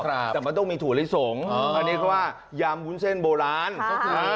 ครับแต่มันต้องมีถั่วลิสงอ๋ออันนี้ก็ว่ายำวุ้นเส้นโบราณค่ะ